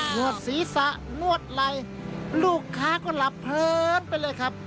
วดศีรษะนวดไหล่ลูกค้าก็หลับเพลินไปเลยครับ